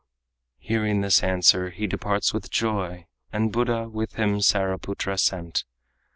Hearing this answer, he departs with joy, And Buddha with him Saraputra sent.